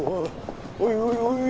おいおいおい。